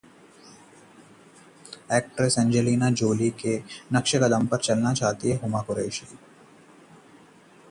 actress Angelina Jolie के नक्शे कदम पर चलना चाहती हैं हुमा कुरेशी